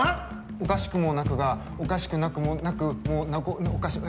「おかしくもなく」がおかしくなくもなくもなく。